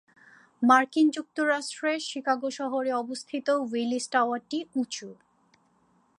মার্কিন যুক্তরাষ্ট্রের শিকাগো শহরে অবস্থিত উইলিস টাওয়ারটি উঁচু।